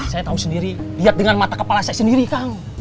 saya tahu sendiri lihat dengan mata kepala saya sendiri kang